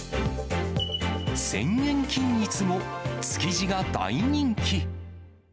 １０００円均一も、築地が大人気。